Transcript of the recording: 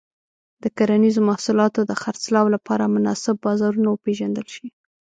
د کرنيزو محصولاتو د خرڅلاو لپاره مناسب بازارونه وپیژندل شي.